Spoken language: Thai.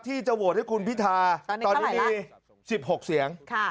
ที่จะโหวตให้คุณพิธาตอนนี้มี๑๖เสียง